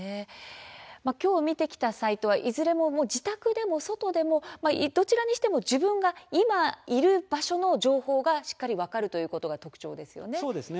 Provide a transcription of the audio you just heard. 今日見てきたサイトはいずれも自宅でも外でも自分が今いる場所の情報をしっかり分かるというのが特徴ですね。